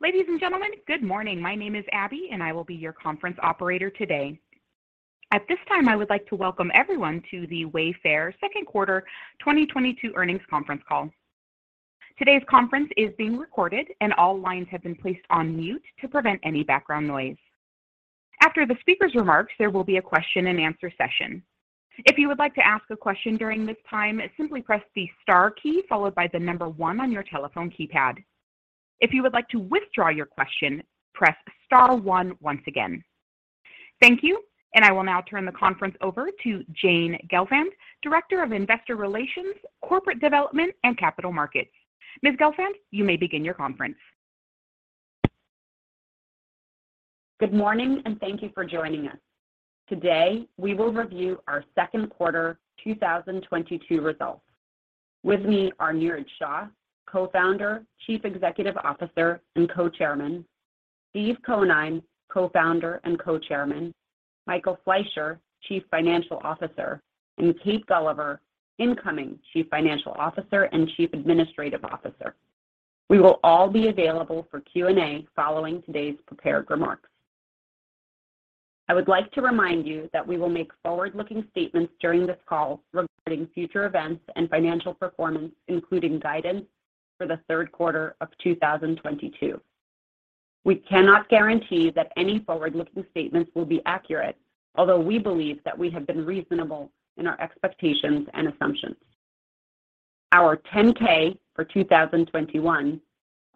Ladies and gentlemen, good morning. My name is Abby, and I will be your conference operator today. At this time, I would like to welcome everyone to the Wayfair second quarter 2022 earnings conference call. Today's conference is being recorded and all lines have been placed on mute to prevent any background noise. After the speaker's remarks, there will be a question-and-answer session. If you would like to ask a question during this time, simply press the Star key followed by the number one on your telephone keypad. If you would like to withdraw your question, press Star one once again. Thank you, and I will now turn the conference over to Jane Gelfand, Head of Investor Relations, Corporate Development and Capital Markets. Ms. Gelfand, you may begin your conference. Good morning, and thank you for joining us. Today, we will review our second quarter 2022 results. With me are Niraj Shah, Co-Founder, Chief Executive Officer, and Co-Chairman, Steve Conine, Co-Founder and Co-Chairman, Michael Fleisher, Chief Financial Officer, and Kate Gulliver, Incoming Chief Financial Officer and Chief Administrative Officer. We will all be available for Q&A following today's prepared remarks. I would like to remind you that we will make forward-looking statements during this call regarding future events and financial performance, including guidance for the third quarter of 2022. We cannot guarantee that any forward-looking statements will be accurate, although we believe that we have been reasonable in our expectations and assumptions. Our 10-K for 2021,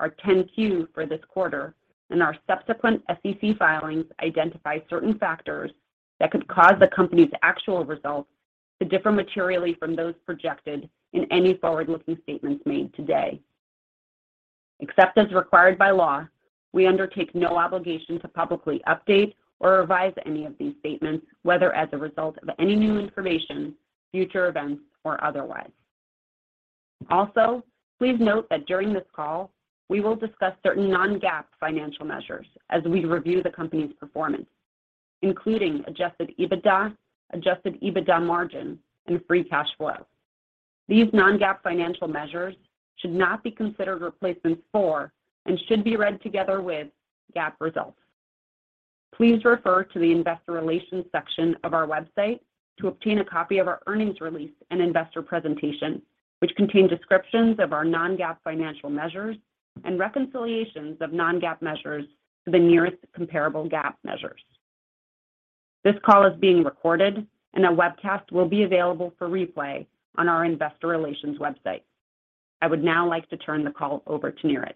our 10-Q for this quarter, and our subsequent SEC filings identify certain factors that could cause the company's actual results to differ materially from those projected in any forward-looking statements made today. Except as required by law, we undertake no obligation to publicly update or revise any of these statements, whether as a result of any new information, future events, or otherwise. Also, please note that during this call, we will discuss certain non-GAAP financial measures as we review the company's performance, including adjusted EBITDA, adjusted EBITDA margin, and free cash flow. These non-GAAP financial measures should not be considered replacements for and should be read together with GAAP results. Please refer to the investor relations section of our website to obtain a copy of our earnings release and investor presentation, which contain descriptions of our non-GAAP financial measures and reconciliations of non-GAAP measures to the nearest comparable GAAP measures. This call is being recorded and a webcast will be available for replay on our investor relations website. I would now like to turn the call over to Niraj.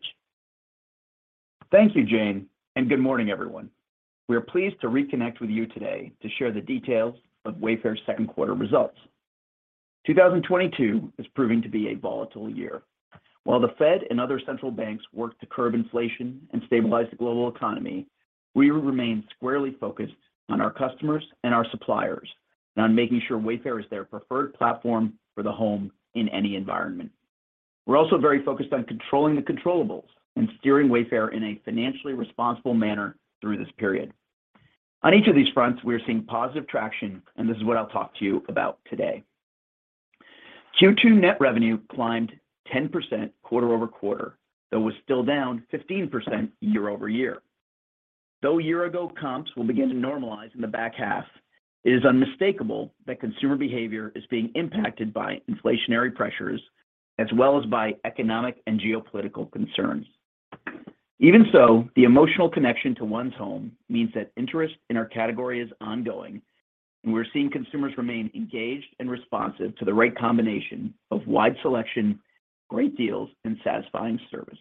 Thank you, Jane, and good morning, everyone. We are pleased to reconnect with you today to share the details of Wayfair's second quarter results. 2022 is proving to be a volatile year. While the Fed and other central banks work to curb inflation and stabilize the global economy, we remain squarely focused on our customers and our suppliers on making sure Wayfair is their preferred platform for the home in any environment. We're also very focused on controlling the controllables and steering Wayfair in a financially responsible manner through this period. On each of these fronts, we are seeing positive traction, and this is what I'll talk to you about today. Q2 net revenue climbed 10% quarter-over-quarter, though was still down 15% year-over-year. Though year-ago comps will begin to normalize in the back half, it is unmistakable that consumer behavior is being impacted by inflationary pressures as well as by economic and geopolitical concerns. Even so, the emotional connection to one's home means that interest in our category is ongoing, and we're seeing consumers remain engaged and responsive to the right combination of wide selection, great deals, and satisfying service.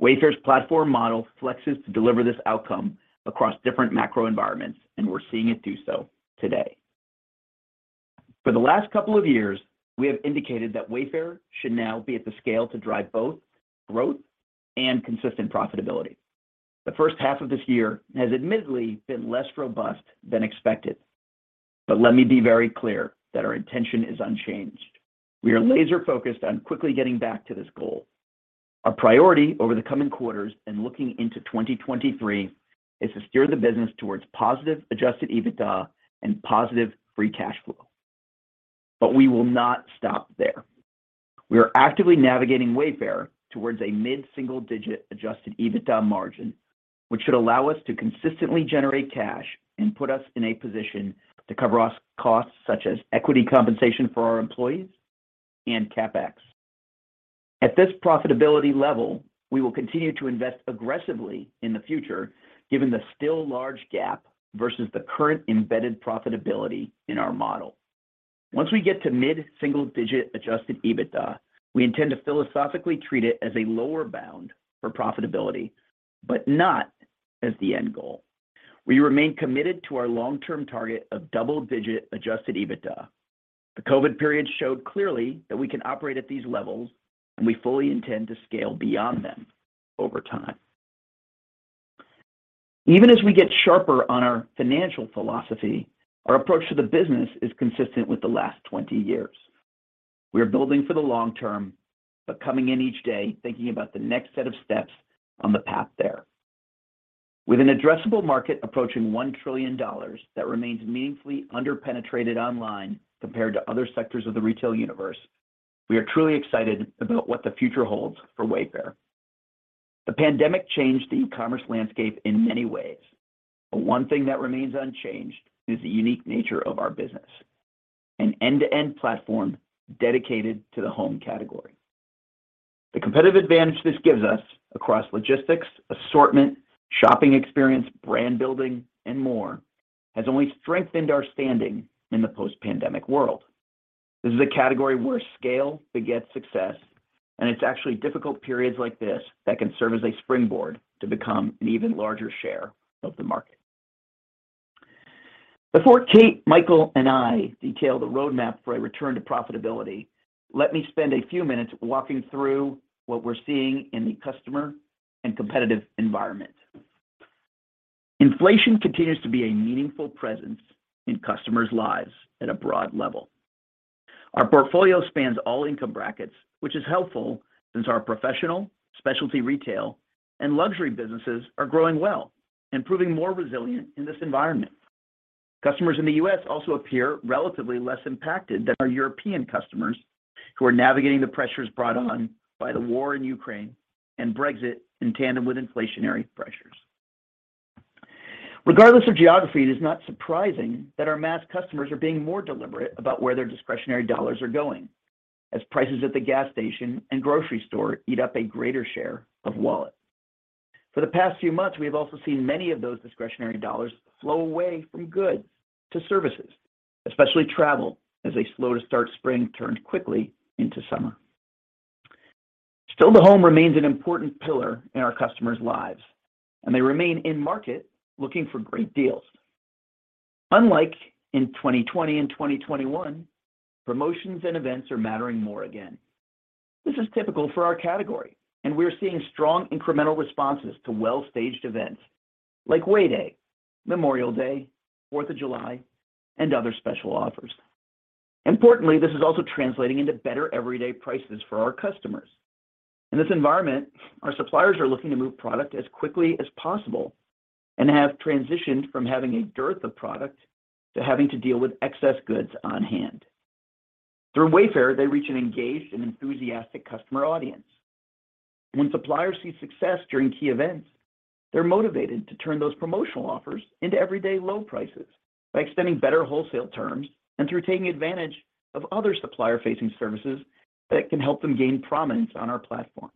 Wayfair's platform model flexes to deliver this outcome across different macro environments, and we're seeing it do so today. For the last couple of years, we have indicated that Wayfair should now be at the scale to drive both growth and consistent profitability. The first half of this year has admittedly been less robust than expected, but let me be very clear that our intention is unchanged. We are laser-focused on quickly getting back to this goal. Our priority over the coming quarters and looking into 2023 is to steer the business towards positive adjusted EBITDA and positive free cash flow. We will not stop there. We are actively navigating Wayfair towards a mid-single-digit adjusted EBITDA margin, which should allow us to consistently generate cash and put us in a position to cover our costs such as equity compensation for our employees and CapEx. At this profitability level, we will continue to invest aggressively in the future given the still large gap versus the current embedded profitability in our model. Once we get to mid-single-digit adjusted EBITDA, we intend to philosophically treat it as a lower bound for profitability, but not as the end goal. We remain committed to our long-term target of double-digit adjusted EBITDA. The COVID period showed clearly that we can operate at these levels, and we fully intend to scale beyond them over time. Even as we get sharper on our financial philosophy, our approach to the business is consistent with the last 20 years. We are building for the long term, but coming in each day, thinking about the next set of steps on the path there. With an addressable market approaching $1 trillion that remains meaningfully underpenetrated online compared to other sectors of the retail universe, we are truly excited about what the future holds for Wayfair. The pandemic changed the e-commerce landscape in many ways, but one thing that remains unchanged is the unique nature of our business, an end-to-end platform dedicated to the home category. The competitive advantage this gives us across logistics, assortment, shopping experience, brand building, and more has only strengthened our standing in the post-pandemic world. This is a category where scale begets success, and it's actually difficult periods like this that can serve as a springboard to become an even larger share of the market. Before Kate, Michael, and I detail the roadmap for a return to profitability, let me spend a few minutes walking through what we're seeing in the customer and competitive environment. Inflation continues to be a meaningful presence in customers' lives at a broad level. Our portfolio spans all income brackets, which is helpful since our professional, specialty retail, and luxury businesses are growing well and proving more resilient in this environment. Customers in the U.S. also appear relatively less impacted than our European customers, who are navigating the pressures brought on by the war in Ukraine and Brexit in tandem with inflationary pressures. Regardless of geography, it is not surprising that our mass customers are being more deliberate about where their discretionary dollars are going as prices at the gas station and grocery store eat up a greater share of wallet. For the past few months, we have also seen many of those discretionary dollars flow away from goods to services, especially travel, as a slow to start spring turned quickly into summer. Still, the home remains an important pillar in our customers' lives, and they remain in market looking for great deals. Unlike in 2020 and 2021, promotions and events are mattering more again. This is typical for our category, and we are seeing strong incremental responses to well-staged events like Way Day, Memorial Day, Fourth of July, and other special offers. Importantly, this is also translating into better everyday prices for our customers. In this environment, our suppliers are looking to move product as quickly as possible and have transitioned from having a dearth of product to having to deal with excess goods on hand. Through Wayfair, they reach an engaged and enthusiastic customer audience. When suppliers see success during key events, they're motivated to turn those promotional offers into everyday low prices by extending better wholesale terms and through taking advantage of other supplier-facing services that can help them gain prominence on our platform.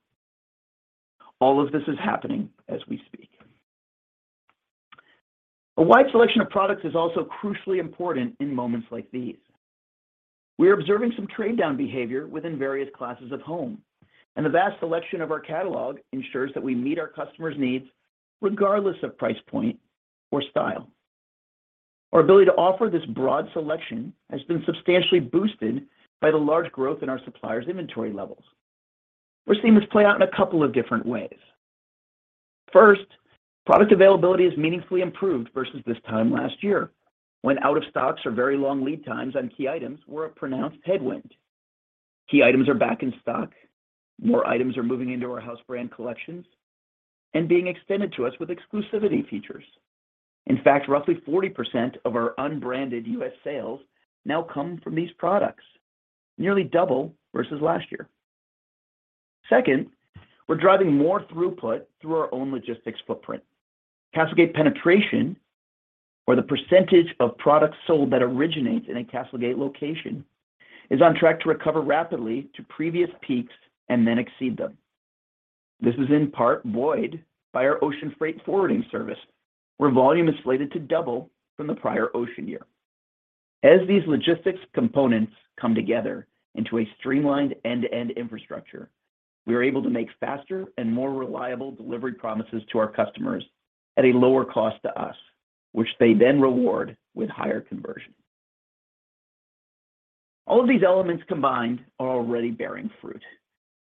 All of this is happening as we speak. A wide selection of products is also crucially important in moments like these. We are observing some trade-down behavior within various classes of home, and the vast selection of our catalog ensures that we meet our customers' needs regardless of price point or style. Our ability to offer this broad selection has been substantially boosted by the large growth in our suppliers' inventory levels. We're seeing this play out in a couple of different ways. First, product availability is meaningfully improved versus this time last year when out-of-stocks or very long lead times on key items were a pronounced headwind. Key items are back in stock, more items are moving into our house brand collections and being extended to us with exclusivity features. In fact, roughly 40% of our unbranded U.S. sales now come from these products, nearly double versus last year. Second, we're driving more throughput through our own logistics footprint. CastleGate penetration, or the percentage of products sold that originates in a CastleGate location, is on track to recover rapidly to previous peaks and then exceed them. This is in part buoyed by our ocean freight forwarding service, where volume is slated to double from the prior ocean year. As these logistics components come together into a streamlined end-to-end infrastructure, we are able to make faster and more reliable delivery promises to our customers at a lower cost to us, which they then reward with higher conversion. All of these elements combined are already bearing fruit.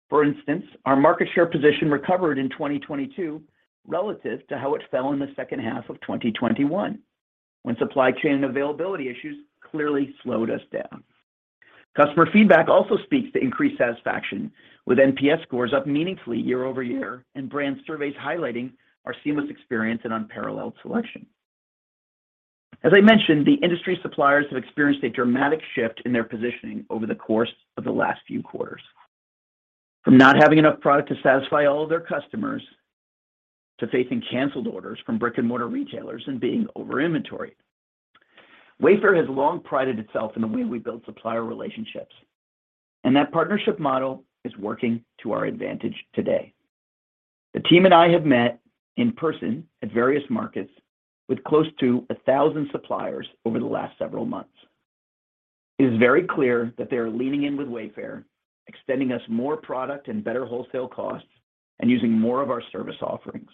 For instance, our market share position recovered in 2022 relative to how it fell in the second half of 2021 when supply chain and availability issues clearly slowed us down. Customer feedback also speaks to increased satisfaction with NPS scores up meaningfully year-over-year and brand surveys highlighting our seamless experience and unparalleled selection. As I mentioned, the industry suppliers have experienced a dramatic shift in their positioning over the course of the last few quarters, from not having enough product to satisfy all of their customers to facing canceled orders from brick-and-mortar retailers and being over-inventoried. Wayfair has long prided itself in the way we build supplier relationships, and that partnership model is working to our advantage today. The team and I have met in person at various markets with close to a thousand suppliers over the last several months. It is very clear that they are leaning in with Wayfair, extending us more product and better wholesale costs, and using more of our service offerings.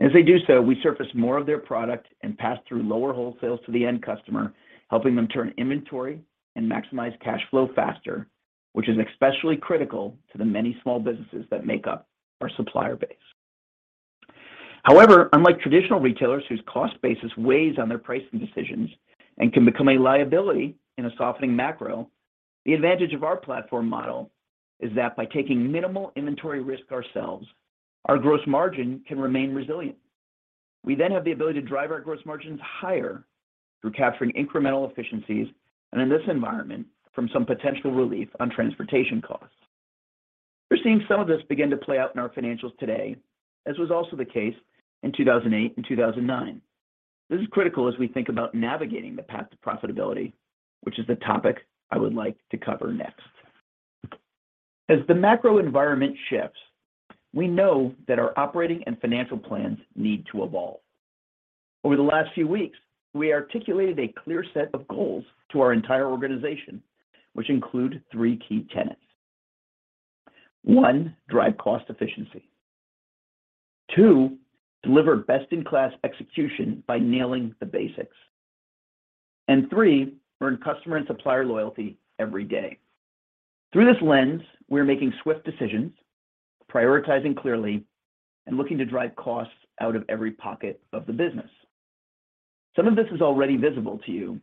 As they do so, we surface more of their product and pass through lower wholesales to the end customer, helping them turn inventory and maximize cash flow faster, which is especially critical to the many small businesses that make up our supplier base. However, unlike traditional retailers whose cost basis weighs on their pricing decisions and can become a liability in a softening macro. The advantage of our platform model is that by taking minimal inventory risk ourselves, our gross margin can remain resilient. We then have the ability to drive our gross margins higher through capturing incremental efficiencies, and in this environment, from some potential relief on transportation costs. We're seeing some of this begin to play out in our financials today, as was also the case in 2008 and 2009. This is critical as we think about navigating the path to profitability, which is the topic I would like to cover next. As the macro environment shifts, we know that our operating and financial plans need to evolve. Over the last few weeks, we articulated a clear set of goals to our entire organization, which include three key tenets. One, drive cost efficiency. Two, deliver best-in-class execution by nailing the basics. Three, earn customer and supplier loyalty every day. Through this lens, we are making swift decisions, prioritizing clearly, and looking to drive costs out of every pocket of the business. Some of this is already visible to you,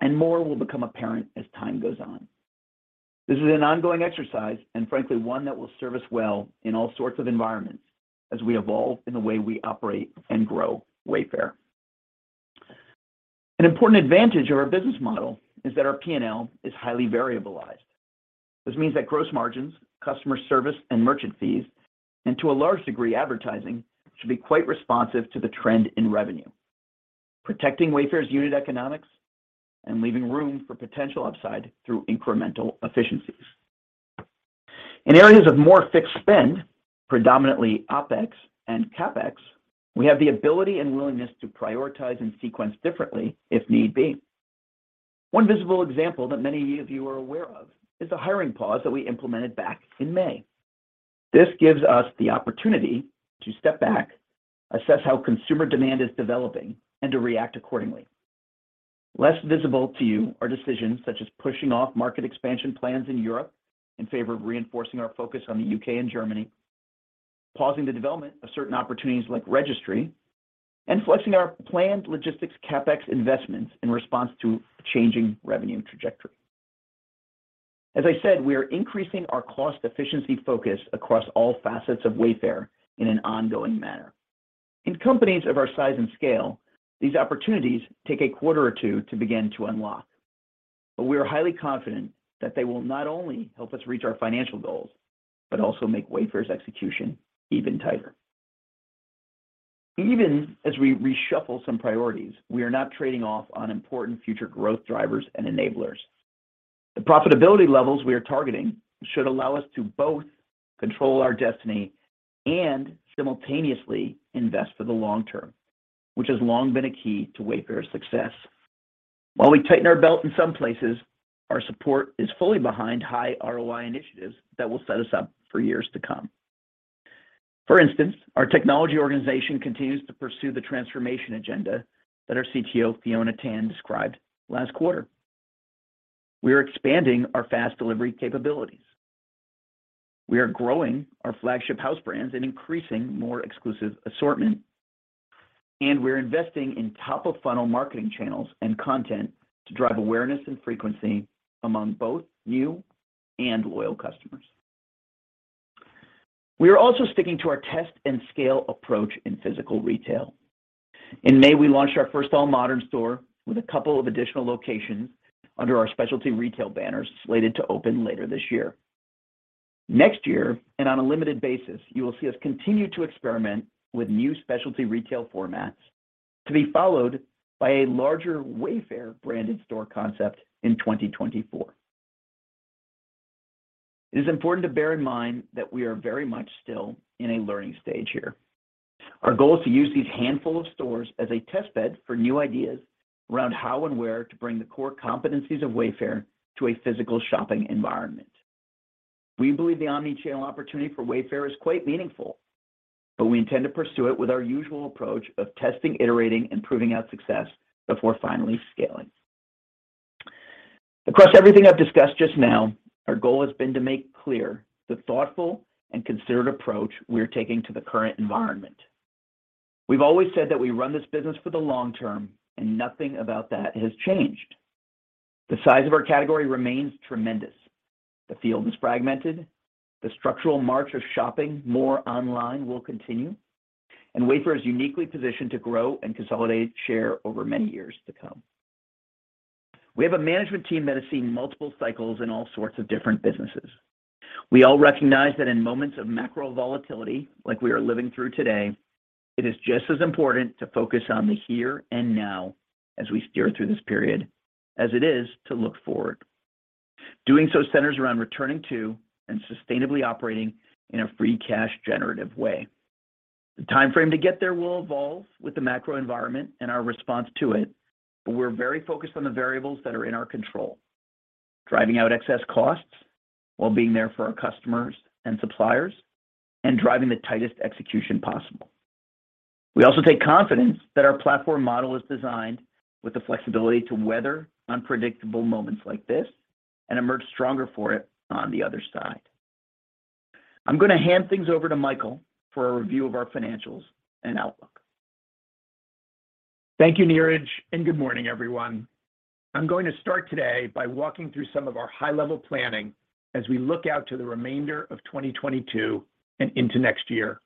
and more will become apparent as time goes on. This is an ongoing exercise, and frankly, one that will serve us well in all sorts of environments as we evolve in the way we operate and grow Wayfair. An important advantage of our business model is that our P&L is highly variabilized. This means that gross margins, customer service, and merchant fees, and to a large degree, advertising, should be quite responsive to the trend in revenue, protecting Wayfair's unit economics and leaving room for potential upside through incremental efficiencies. In areas of more fixed spend, predominantly OpEx and CapEx, we have the ability and willingness to prioritize and sequence differently if need be. One visible example that many of you are aware of is the hiring pause that we implemented back in May. This gives us the opportunity to step back, assess how consumer demand is developing, and to react accordingly. Less visible to you are decisions such as pushing off market expansion plans in Europe in favor of reinforcing our focus on the U.K. and Germany, pausing the development of certain opportunities like registry, and flexing our planned logistics CapEx investments in response to changing revenue trajectory. As I said, we are increasing our cost efficiency focus across all facets of Wayfair in an ongoing manner. In companies of our size and scale, these opportunities take a quarter or two to begin to unlock, but we are highly confident that they will not only help us reach our financial goals, but also make Wayfair's execution even tighter. Even as we reshuffle some priorities, we are not trading off on important future growth drivers and enablers. The profitability levels we are targeting should allow us to both control our destiny and simultaneously invest for the long term, which has long been a key to Wayfair's success. While we tighten our belt in some places, our support is fully behind high ROI initiatives that will set us up for years to come. For instance, our technology organization continues to pursue the transformation agenda that our CTO, Fiona Tan, described last quarter. We are expanding our fast delivery capabilities. We are growing our flagship house brands and increasing more exclusive assortment. We're investing in top-of-funnel marketing channels and content to drive awareness and frequency among both new and loyal customers. We are also sticking to our test and scale approach in physical retail. In May, we launched our first AllModern store with a couple of additional locations under our specialty retail banners slated to open later this year. Next year, and on a limited basis, you will see us continue to experiment with new specialty retail formats to be followed by a larger Wayfair branded store concept in 2024. It is important to bear in mind that we are very much still in a learning stage here. Our goal is to use these handful of stores as a test bed for new ideas around how and where to bring the core competencies of Wayfair to a physical shopping environment. We believe the omni-channel opportunity for Wayfair is quite meaningful, but we intend to pursue it with our usual approach of testing, iterating, and proving out success before finally scaling. Across everything I've discussed just now, our goal has been to make clear the thoughtful and considered approach we are taking to the current environment. We've always said that we run this business for the long term, and nothing about that has changed. The size of our category remains tremendous. The field is fragmented. The structural march of shopping more online will continue, and Wayfair is uniquely positioned to grow and consolidate share over many years to come. We have a management team that has seen multiple cycles in all sorts of different businesses. We all recognize that in moments of macro volatility, like we are living through today, it is just as important to focus on the here and now as we steer through this period as it is to look forward. Doing so centers around returning to and sustainably operating in a free cash generative way. The timeframe to get there will evolve with the macro environment and our response to it, but we're very focused on the variables that are in our control, driving out excess costs while being there for our customers and suppliers, and driving the tightest execution possible. We also take confidence that our platform model is designed with the flexibility to weather unpredictable moments like this and emerge stronger for it on the other side. I'm gonna hand things over to Michael for a review of our financials and outlook. Thank you, Niraj, and good morning, everyone. I'm going to start today by walking through some of our high-level planning as we look out to the remainder of 2022 and into next year.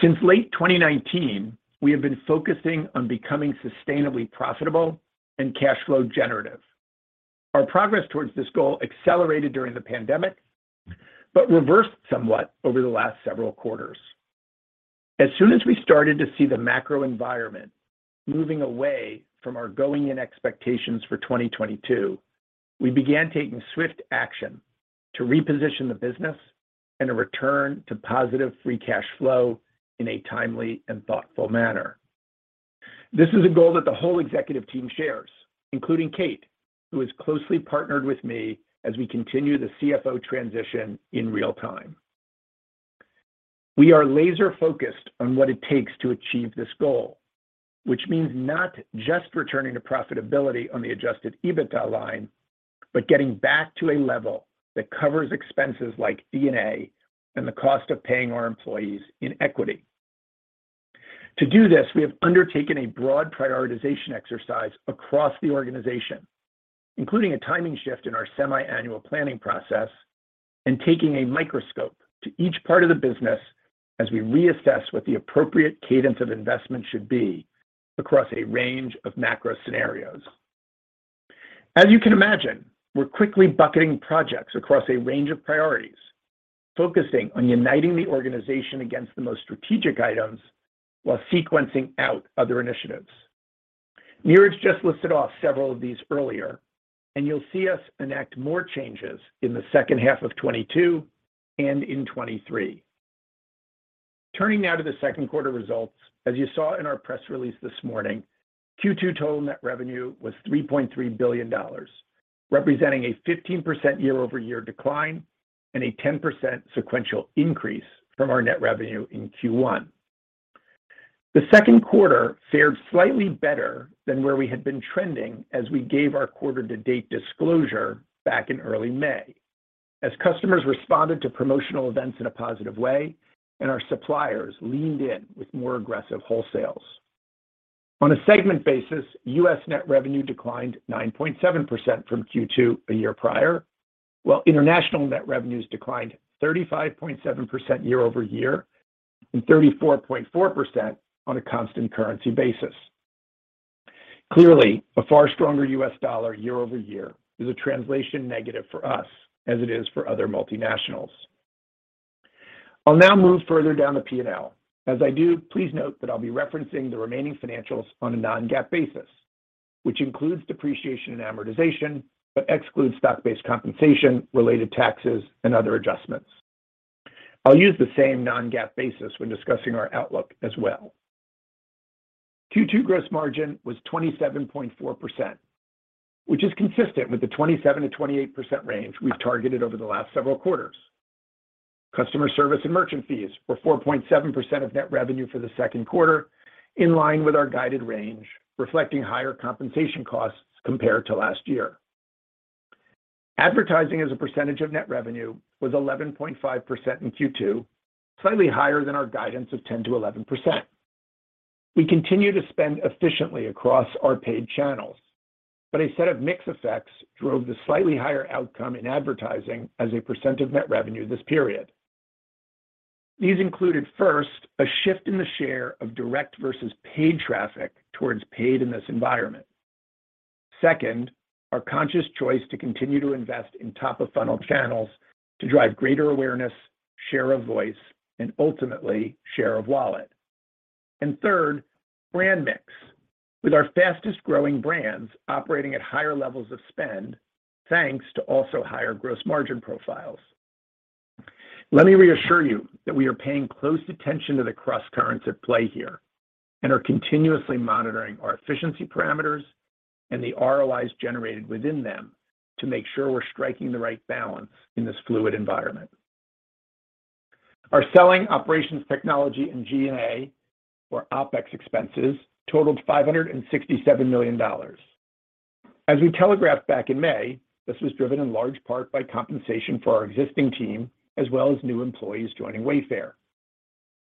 Since late 2019, we have been focusing on becoming sustainably profitable and cash flow generative. Our progress towards this goal accelerated during the pandemic, but reversed somewhat over the last several quarters. As soon as we started to see the macro environment moving away from our going in expectations for 2022, we began taking swift action to reposition the business and a return to positive free cash flow in a timely and thoughtful manner. This is a goal that the whole executive team shares, including Kate, who is closely partnered with me as we continue the CFO transition in real time. We are laser-focused on what it takes to achieve this goal, which means not just returning to profitability on the adjusted EBITDA line, but getting back to a level that covers expenses like D&A and the cost of paying our employees in equity. To do this, we have undertaken a broad prioritization exercise across the organization, including a timing shift in our semi-annual planning process and taking a microscope to each part of the business as we reassess what the appropriate cadence of investment should be across a range of macro scenarios. As you can imagine, we're quickly bucketing projects across a range of priorities, focusing on uniting the organization against the most strategic items while sequencing out other initiatives. Niraj just listed off several of these earlier, and you'll see us enact more changes in the second half of 2022 and in 2023. Turning now to the second quarter results, as you saw in our press release this morning, Q2 total net revenue was $3.3 billion, representing a 15% year-over-year decline and a 10% sequential increase from our net revenue in Q1. The second quarter fared slightly better than where we had been trending as we gave our quarter to date disclosure back in early May. As customers responded to promotional events in a positive way and our suppliers leaned in with more aggressive wholesales. On a segment basis, U.S. net revenue declined 9.7% from Q2 a year prior, while international net revenues declined 35.7% year-over-year and 34.4% on a constant currency basis. Clearly, a far stronger U.S. dollar year-over-year is a translation negative for us as it is for other multinationals. I'll now move further down the P&L. As I do, please note that I'll be referencing the remaining financials on a non-GAAP basis, which includes depreciation and amortization, but excludes stock-based compensation, related taxes, and other adjustments. I'll use the same non-GAAP basis when discussing our outlook as well. Q2 gross margin was 27.4%, which is consistent with the 27%-28% range we've targeted over the last several quarters. Customer service and merchant fees were 4.7% of net revenue for the second quarter, in line with our guided range, reflecting higher compensation costs compared to last year. Advertising as a percentage of net revenue was 11.5% in Q2, slightly higher than our guidance of 10%-11%. We continue to spend efficiently across our paid channels, but a set of mix effects drove the slightly higher outcome in advertising as a percent of net revenue this period. These included, first, a shift in the share of direct versus paid traffic towards paid in this environment. Second, our conscious choice to continue to invest in top of funnel channels to drive greater awareness, share of voice, and ultimately share of wallet. Third, brand mix with our fastest-growing brands operating at higher levels of spend, thanks to also higher gross margin profiles. Let me reassure you that we are paying close attention to the crosscurrents at play here and are continuously monitoring our efficiency parameters and the ROIs generated within them to make sure we're striking the right balance in this fluid environment. Our selling, operations, technology, and G&A or OpEx expenses totaled $567 million. As we telegraphed back in May, this was driven in large part by compensation for our existing team, as well as new employees joining Wayfair.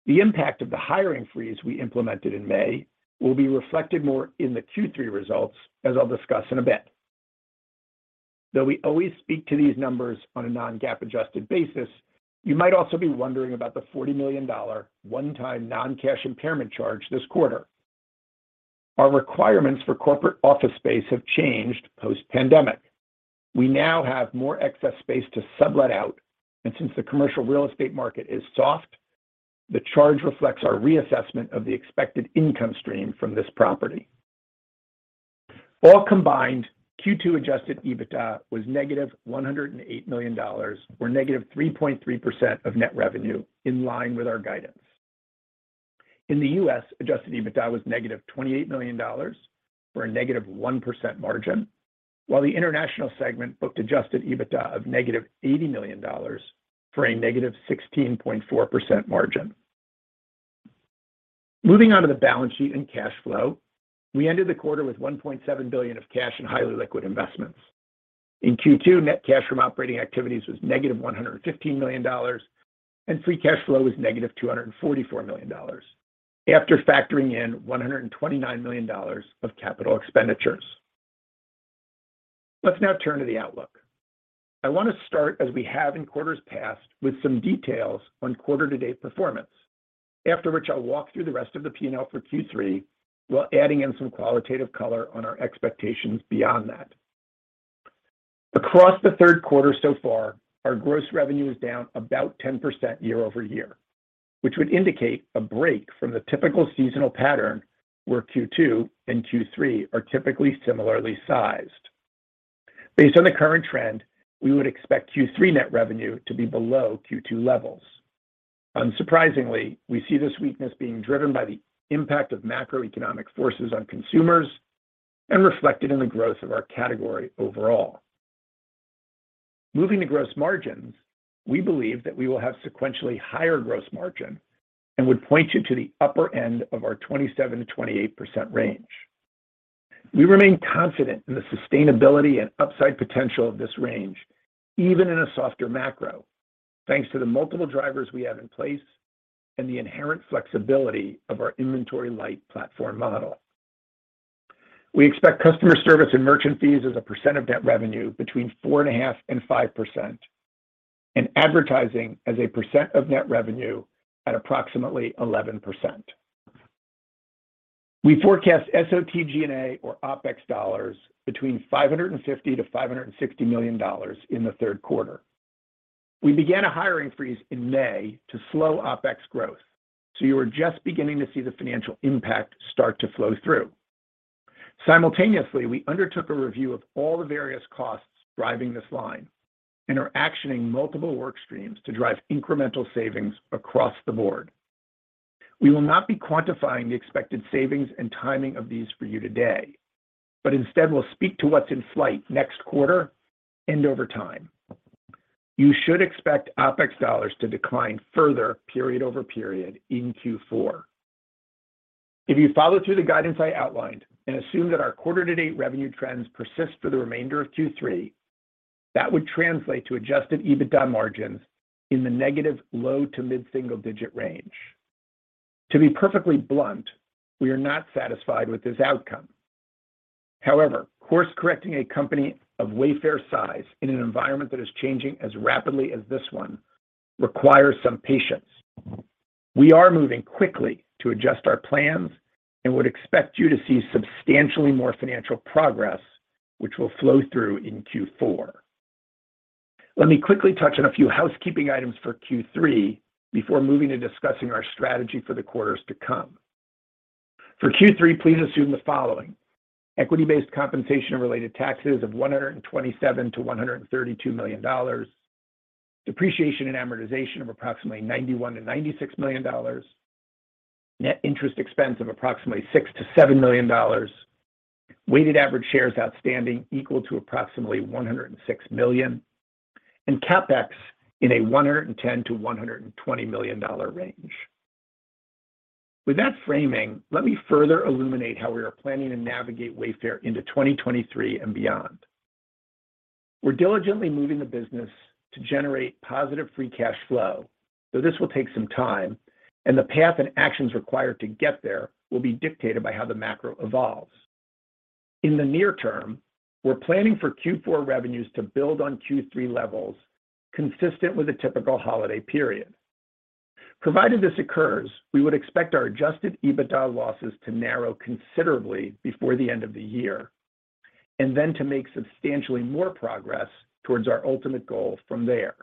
The impact of the hiring freeze we implemented in May will be reflected more in the Q3 results, as I'll discuss in a bit. Though we always speak to these numbers on a non-GAAP adjusted basis, you might also be wondering about the $40 million one-time non-cash impairment charge this quarter. Our requirements for corporate office space have changed post-pandemic. We now have more excess space to sublet out, and since the commercial real estate market is soft, the charge reflects our reassessment of the expected income stream from this property. All combined, Q2 adjusted EBITDA was -$108 million or -3.3% of net revenue in line with our guidance. In the U.S., adjusted EBITDA was -$28 million for a -1% margin, while the international segment booked adjusted EBITDA of -$80 million for a -16.4% margin. Moving on to the balance sheet and cash flow, we ended the quarter with $1.7 billion of cash in highly liquid investments. In Q2, net cash from operating activities was -$115 million, and free cash flow was -$244 million after factoring in $129 million of capital expenditures. Let's now turn to the outlook. I want to start, as we have in quarters past, with some details on quarter to date performance. After which I'll walk through the rest of the P&L for Q3, while adding in some qualitative color on our expectations beyond that. Across the third quarter so far, our gross revenue is down about 10% year-over-year, which would indicate a break from the typical seasonal pattern where Q2 and Q3 are typically similarly sized. Based on the current trend, we would expect Q3 net revenue to be below Q2 levels. Unsurprisingly, we see this weakness being driven by the impact of macroeconomic forces on consumers and reflected in the growth of our category overall. Moving to gross margins, we believe that we will have sequentially higher gross margin and would point you to the upper end of our 27%-28% range. We remain confident in the sustainability and upside potential of this range, even in a softer macro. Thanks to the multiple drivers we have in place and the inherent flexibility of our inventory-light platform model. We expect customer service and merchant fees as a percent of net revenue between 4.5% and 5%, and advertising as a percent of net revenue at approximately 11%. We forecast SOTG&A or OpEx dollars between $550 million and $560 million in the third quarter. We began a hiring freeze in May to slow OpEx growth, so you are just beginning to see the financial impact start to flow through. Simultaneously, we undertook a review of all the various costs driving this line and are actioning multiple work streams to drive incremental savings across the board. We will not be quantifying the expected savings and timing of these for you today, but instead will speak to what's in flight next quarter and over time. You should expect OpEx dollars to decline further period-over-period in Q4. If you follow through the guidance I outlined and assume that our quarter-to-date revenue trends persist for the remainder of Q3, that would translate to adjusted EBITDA margins in the negative low- to mid-single-digit range. To be perfectly blunt, we are not satisfied with this outcome. However, course correcting a company of Wayfair's size in an environment that is changing as rapidly as this one requires some patience. We are moving quickly to adjust our plans and would expect you to see substantially more financial progress, which will flow through in Q4. Let me quickly touch on a few housekeeping items for Q3 before moving to discussing our strategy for the quarters to come. For Q3, please assume the following: Equity-based compensation and related taxes of $127 million-$132 million. Depreciation and amortization of approximately $91 million-$96 million. Net interest expense of approximately $6 million-$7 million. Weighted average shares outstanding equal to approximately 106 million. CapEx in a $110 million-$120 million range. With that framing, let me further illuminate how we are planning to navigate Wayfair into 2023 and beyond. We're diligently moving the business to generate positive free cash flow, though this will take some time, and the path and actions required to get there will be dictated by how the macro evolves. In the near term, we're planning for Q4 revenues to build on Q3 levels consistent with a typical holiday period. Provided this occurs, we would expect our adjusted EBITDA losses to narrow considerably before the end of the year, and then to make substantially more progress towards our ultimate goal from there.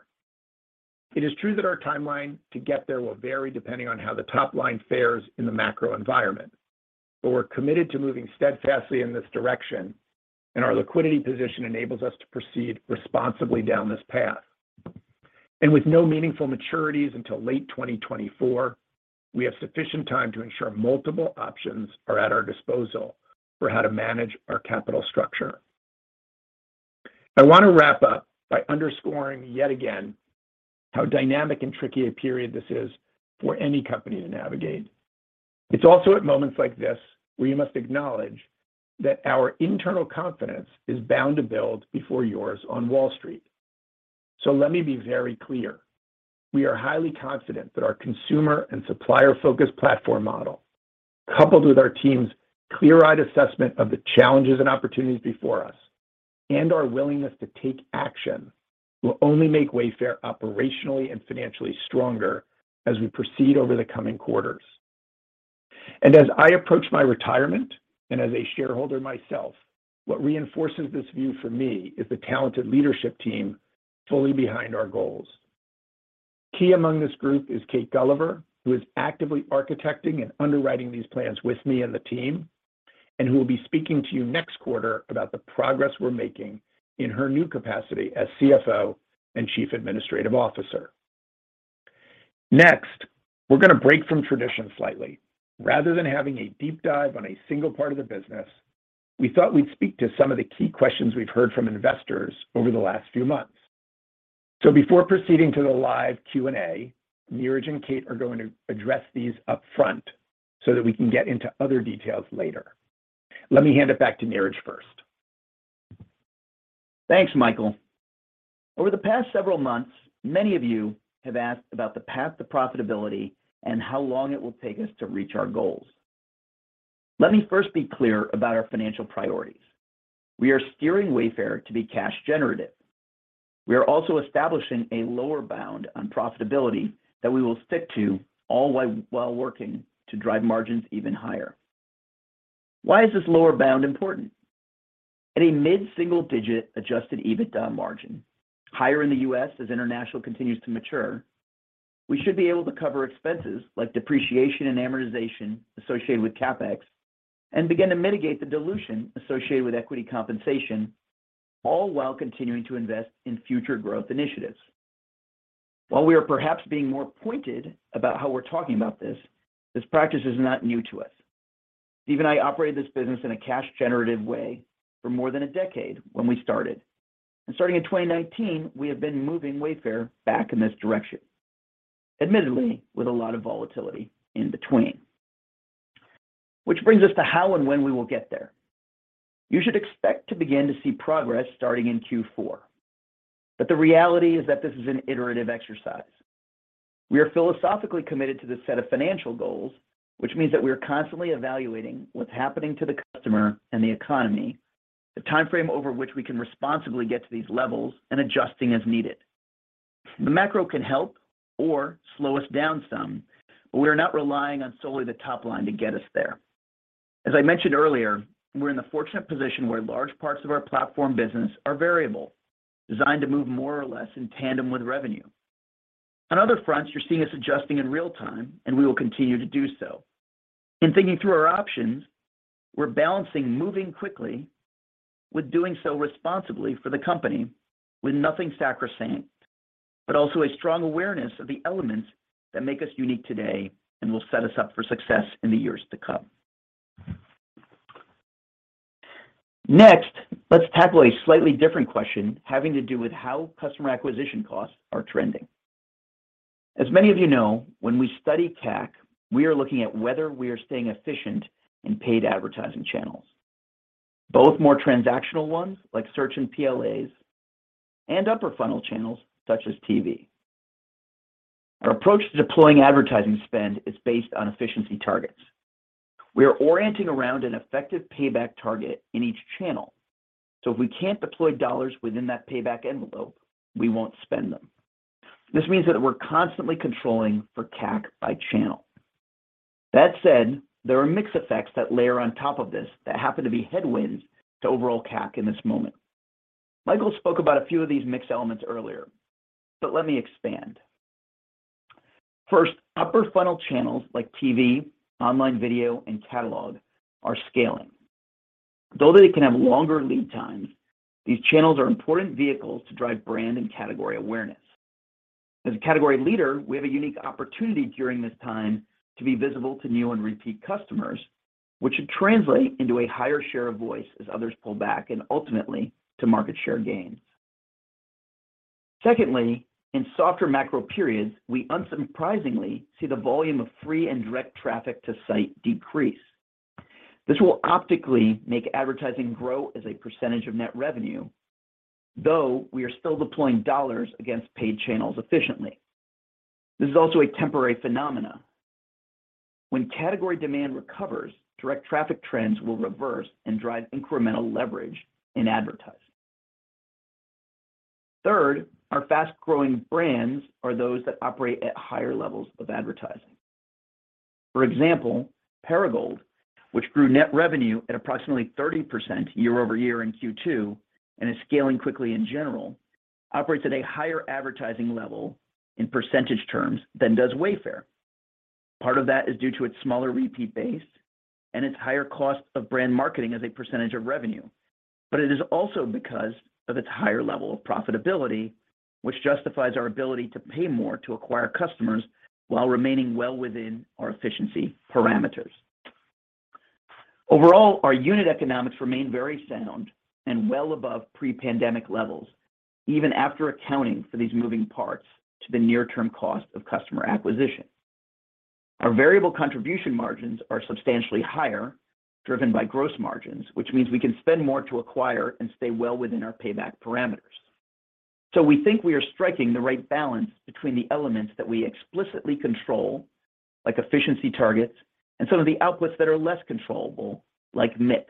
It is true that our timeline to get there will vary depending on how the top line fares in the macro environment. We're committed to moving steadfastly in this direction, and our liquidity position enables us to proceed responsibly down this path. With no meaningful maturities until late 2024, we have sufficient time to ensure multiple options are at our disposal for how to manage our capital structure. I want to wrap up by underscoring yet again how dynamic and tricky a period this is for any company to navigate. It's also at moments like this where you must acknowledge that our internal confidence is bound to build before yours on Wall Street. Let me be very clear. We are highly confident that our consumer and supplier focused platform model, coupled with our team's clear-eyed assessment of the challenges and opportunities before us, and our willingness to take action, will only make Wayfair operationally and financially stronger as we proceed over the coming quarters. As I approach my retirement and as a shareholder myself, what reinforces this view for me is the talented leadership team fully behind our goals. Key among this group is Kate Gulliver, who is actively architecting and underwriting these plans with me and the team, and who will be speaking to you next quarter about the progress we're making in her new capacity as CFO and Chief Administrative Officer. Next, we're going to break from tradition slightly. Rather than having a deep dive on a single part of the business, we thought we'd speak to some of the key questions we've heard from investors over the last few months. Before proceeding to the live Q&A, Niraj and Kate are going to address these upfront so that we can get into other details later. Let me hand it back to Niraj first. Thanks, Michael. Over the past several months, many of you have asked about the path to profitability and how long it will take us to reach our goals. Let me first be clear about our financial priorities. We are steering Wayfair to be cash generative. We are also establishing a lower bound on profitability that we will stick to all while working to drive margins even higher. Why is this lower bound important? At a mid-single digit adjusted EBITDA margin, higher in the U.S. as international continues to mature, we should be able to cover expenses like depreciation and amortization associated with CapEx and begin to mitigate the dilution associated with equity compensation, all while continuing to invest in future growth initiatives. While we are perhaps being more pointed about how we're talking about this practice is not new to us. Steve and I operated this business in a cash generative way for more than a decade when we started, and starting in 2019, we have been moving Wayfair back in this direction, admittedly with a lot of volatility in between. Which brings us to how and when we will get there. You should expect to begin to see progress starting in Q4. The reality is that this is an iterative exercise. We are philosophically committed to this set of financial goals, which means that we are constantly evaluating what's happening to the customer and the economy, the timeframe over which we can responsibly get to these levels, and adjusting as needed. The macro can help or slow us down some, but we are not relying on solely the top line to get us there. As I mentioned earlier, we're in the fortunate position where large parts of our platform business are variable, designed to move more or less in tandem with revenue. On other fronts, you're seeing us adjusting in real time, and we will continue to do so. In thinking through our options, we're balancing moving quickly with doing so responsibly for the company with nothing sacrosanct, but also a strong awareness of the elements that make us unique today and will set us up for success in the years to come. Next, let's tackle a slightly different question having to do with how customer acquisition costs are trending. As many of you know, when we study CAC, we are looking at whether we are staying efficient in paid advertising channels, both more transactional ones like search and PLAs and upper funnel channels such as TV. Our approach to deploying advertising spend is based on efficiency targets. We are orienting around an effective payback target in each channel. If we can't deploy dollars within that payback envelope, we won't spend them. This means that we're constantly controlling for CAC by channel. That said, there are mix effects that layer on top of this that happen to be headwinds to overall CAC in this moment. Michael spoke about a few of these mix elements earlier, but let me expand. First, upper funnel channels like TV, online video, and catalog are scaling. Though they can have longer lead times, these channels are important vehicles to drive brand and category awareness. As a category leader, we have a unique opportunity during this time to be visible to new and repeat customers, which should translate into a higher share of voice as others pull back and ultimately to market share gains. Secondly, in softer macro periods, we unsurprisingly see the volume of free and direct traffic to site decrease. This will optically make advertising grow as a percentage of net revenue, though we are still deploying dollars against paid channels efficiently. This is also a temporary phenomenon. When category demand recovers, direct traffic trends will reverse and drive incremental leverage in advertising. Third, our fast-growing brands are those that operate at higher levels of advertising. For example, Perigold, which grew net revenue at approximately 30% year-over-year in Q2 and is scaling quickly in general, operates at a higher advertising level in percentage terms than does Wayfair. Part of that is due to its smaller repeat base and its higher cost of brand marketing as a percentage of revenue. It is also because of its higher level of profitability, which justifies our ability to pay more to acquire customers while remaining well within our efficiency parameters. Overall, our unit economics remain very sound and well above pre-pandemic levels, even after accounting for these moving parts to the near-term cost of customer acquisition. Our variable contribution margins are substantially higher, driven by gross margins, which means we can spend more to acquire and stay well within our payback parameters. We think we are striking the right balance between the elements that we explicitly control, like efficiency targets, and some of the outputs that are less controllable, like mix.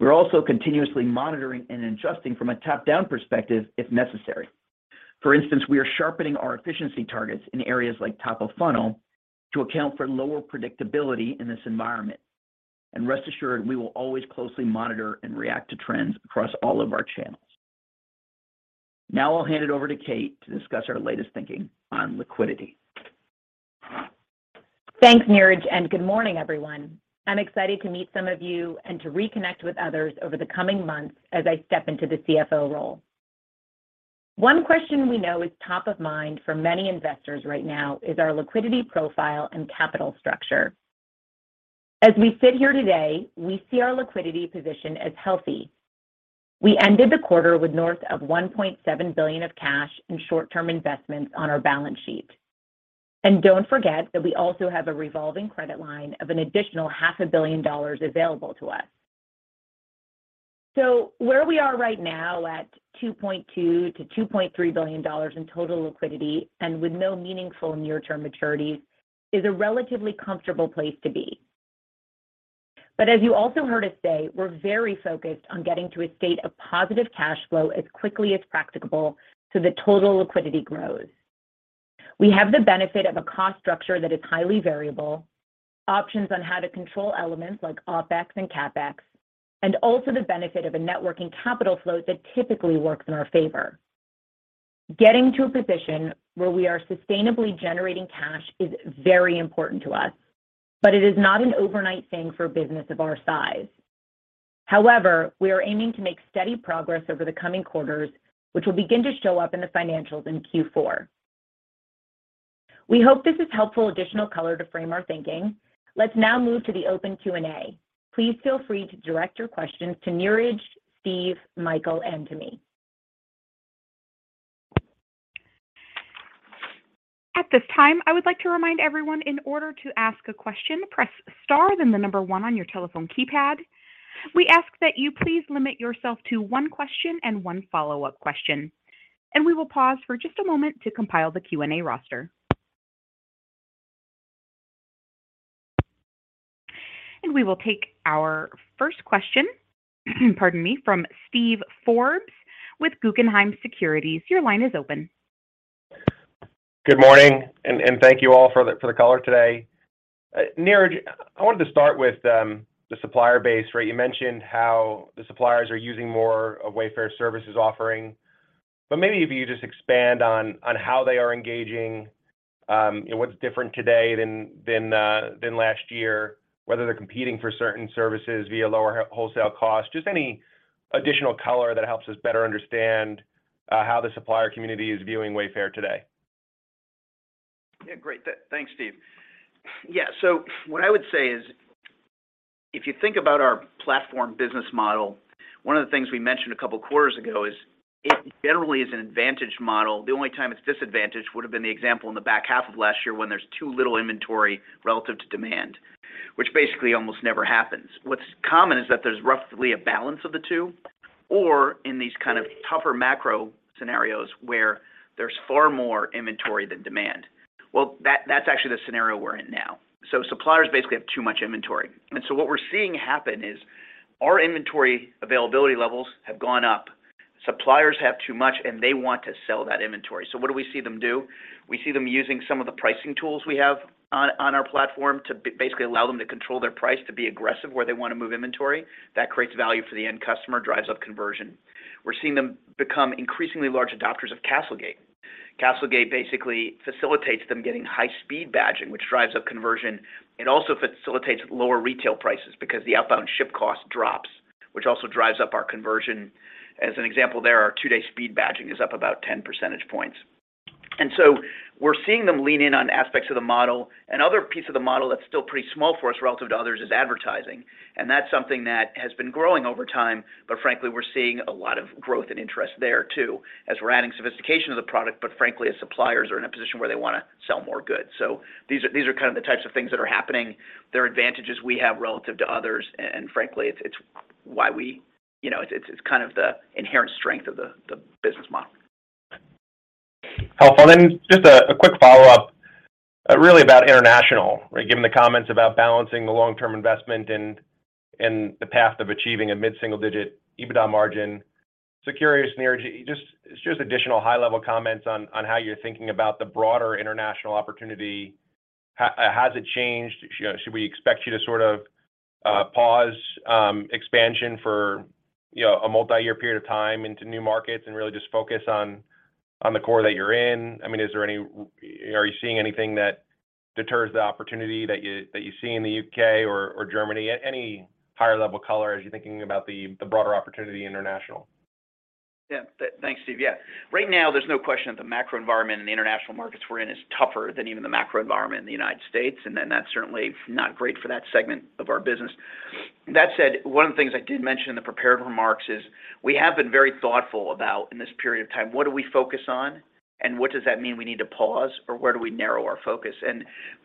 We're also continuously monitoring and adjusting from a top-down perspective if necessary. For instance, we are sharpening our efficiency targets in areas like top of funnel to account for lower predictability in this environment. Rest assured, we will always closely monitor and react to trends across all of our channels. Now I'll hand it over to Kate to discuss our latest thinking on liquidity. Thanks, Niraj, and good morning, everyone. I'm excited to meet some of you and to reconnect with others over the coming months as I step into the CFO role. One question we know is top of mind for many investors right now is our liquidity profile and capital structure. As we sit here today, we see our liquidity position as healthy. We ended the quarter with north of $1.7 billion of cash and short-term investments on our balance sheet. Don't forget that we also have a revolving credit line of an additional $500 million available to us. Where we are right now at $2.2 billion-$2.3 billion in total liquidity and with no meaningful near-term maturities is a relatively comfortable place to be. As you also heard us say, we're very focused on getting to a state of positive cash flow as quickly as practicable so that total liquidity grows. We have the benefit of a cost structure that is highly variable, options on how to control elements like OpEx and CapEx, and also the benefit of a net working capital flow that typically works in our favor. Getting to a position where we are sustainably generating cash is very important to us, but it is not an overnight thing for a business of our size. However, we are aiming to make steady progress over the coming quarters, which will begin to show up in the financials in Q4. We hope this is helpful additional color to frame our thinking. Let's now move to the open Q&A. Please feel free to direct your questions to Niraj, Steve, Michael, and to me. At this time, I would like to remind everyone in order to ask a question, press star, then the number one on your telephone keypad. We ask that you please limit yourself to one question and one follow-up question, and we will pause for just a moment to compile the Q&A roster. We will take our first question, pardon me, from Steve Forbes with Guggenheim Securities. Your line is open. Good morning, and thank you all for the call today. Niraj, I wanted to start with the supplier base, right? You mentioned how the suppliers are using more of Wayfair's services offering, but maybe if you just expand on how they are engaging, and what's different today than last year, whether they're competing for certain services via lower wholesale cost, just any additional color that helps us better understand how the supplier community is viewing Wayfair today. Yeah. Great. Thanks, Steve. Yeah. What I would say is if you think about our platform business model, one of the things we mentioned a couple quarters ago is it generally is an advantage model. The only time it's disadvantaged would've been the example in the back half of last year when there's too little inventory relative to demand, which basically almost never happens. What's common is that there's roughly a balance of the two or in these kind of tougher macro scenarios where there's far more inventory than demand. Well, that's actually the scenario we're in now. Suppliers basically have too much inventory, and so what we're seeing happen is our inventory availability levels have gone up. Suppliers have too much, and they want to sell that inventory. What do we see them do? We see them using some of the pricing tools we have on our platform to basically allow them to control their price to be aggressive where they wanna move inventory. That creates value for the end customer, drives up conversion. We're seeing them become increasingly large adopters of CastleGate. CastleGate basically facilitates them getting high speed badging, which drives up conversion and also facilitates lower retail prices because the outbound ship cost drops, which also drives up our conversion. As an example, there are two-day speed badging is up about 10 percentage points. We're seeing them lean in on aspects of the model. Another piece of the model that's still pretty small for us relative to others is advertising, and that's something that has been growing over time. Frankly, we're seeing a lot of growth and interest there too, as we're adding sophistication to the product, but frankly, as suppliers are in a position where they wanna sell more goods. These are kind of the types of things that are happening. They're advantages we have relative to others, and frankly, you know, it's kind of the inherent strength of the business model. Helpful. Then just a quick follow-up, really about international, right? Given the comments about balancing the long-term investment and the path of achieving a mid-single digit EBITDA margin. Curious, Niraj, just additional high-level comments on how you're thinking about the broader international opportunity. Has it changed? You know, should we expect you to sort of pause expansion for you know a multi-year period of time into new markets and really just focus on the core that you're in? I mean, are you seeing anything that deters the opportunity that you see in the U.K. or Germany? Any higher level color as you're thinking about the broader international opportunity. Yeah. Thanks, Steve. Yeah. Right now, there's no question that the macro environment and the international markets we're in is tougher than even the macro environment in the United States, and then that's certainly not great for that segment of our business. That said, one of the things I did mention in the prepared remarks is we have been very thoughtful about in this period of time, what do we focus on, and what does that mean we need to pause or where do we narrow our focus?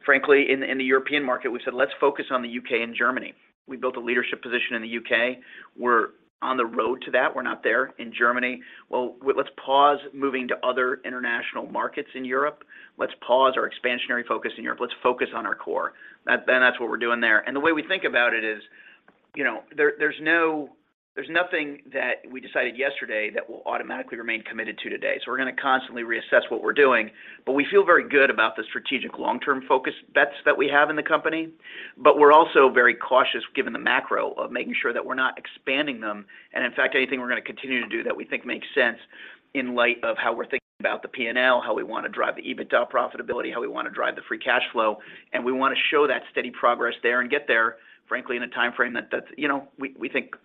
Frankly, in the European market, we said, let's focus on the U.K. and Germany. We built a leadership position in the U.K. We're on the road to that. We're not there in Germany. Well, let's pause moving to other international markets in Europe. Let's pause our expansionary focus in Europe. Let's focus on our core. That's what we're doing there. The way we think about it is, you know, there's nothing that we decided yesterday that we'll automatically remain committed to today. We're gonna constantly reassess what we're doing, but we feel very good about the strategic long-term focus bets that we have in the company. We're also very cautious given the macro of making sure that we're not expanding them, and in fact, anything we're gonna continue to do that we think makes sense in light of how we're thinking about the P&L, how we wanna drive the EBITDA profitability, how we wanna drive the free cash flow, and we wanna show that steady progress there and get there, frankly, in a timeframe that's, you know, we think